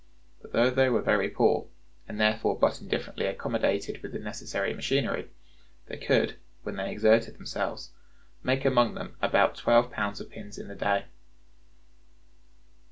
But though they were very poor, and therefore but indifferently accommodated with the necessary machinery, they could, when they exerted themselves, make among them about twelve pounds of pins in a day.